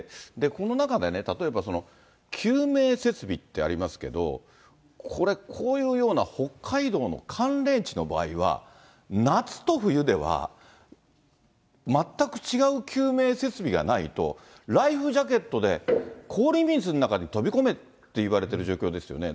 この中でね、例えば、救命設備ってありますけど、これ、こういうような北海道の寒冷地の場合は、夏と冬では全く違う救命設備がないと、ライフジャケットで、氷水の中に飛び込めっていわれてる状況ですよね。